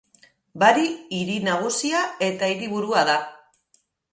Bari hiri nagusia eta hiriburua da.